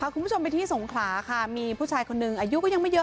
คุณผู้ชมไปที่สงขลาค่ะมีผู้ชายคนหนึ่งอายุก็ยังไม่เยอะ